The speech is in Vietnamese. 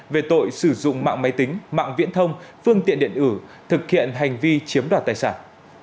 về tội sử dụng mạng máy tính mạng viễn thông phương tiện điện tử thực hiện hành vi chiếm đoạt tài sản